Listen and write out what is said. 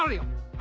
あ？